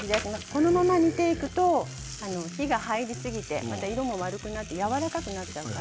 このまま煮ていくと火が入りすぎて色が悪くなってやわらかくなってしまいます。